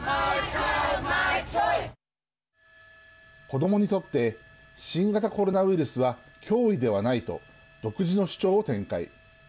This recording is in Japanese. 子どもにとって新型コロナウイルスは脅威ではないと独自の主張を展開。